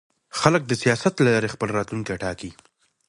خلک د سیاست له لارې خپل راتلونکی ټاکي